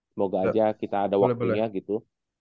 semoga aja kita ada waktunya gitu